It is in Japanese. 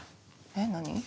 えっ何？